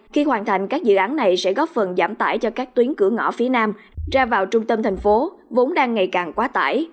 khi hoàn thành các dự án này sẽ góp phần giảm tải cho các tuyến cửa ngõ phía nam ra vào trung tâm thành phố vốn đang ngày càng quá tải